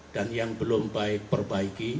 dan yang belum baik perbaiki